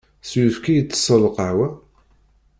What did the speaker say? S uyefki i ttesseḍ lqahwa?